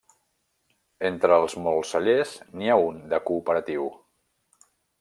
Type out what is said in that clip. Entre els molts cellers, n'hi ha un de cooperatiu.